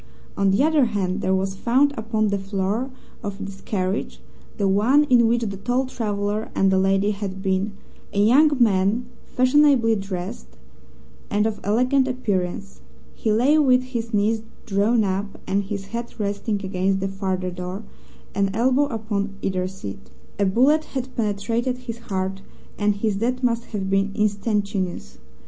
On the other hand, there was found upon the floor of this carriage the one in which the tall traveller and the lady had been a young man fashionably dressed and of elegant appearance. He lay with his knees drawn up, and his head resting against the farther door, an elbow upon either seat. A bullet had penetrated his heart and his death must have been instantaneous.